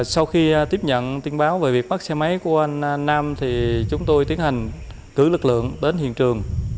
sau khi tiếp nhận tin báo về việc mất xe máy của anh nam chúng tôi tiến hành tử lực lượng đến hiện trường